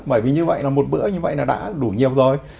bởi vì như vậy là một bữa như vậy là đã đủ nhiều rồi